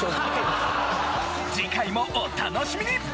次回もお楽しみに！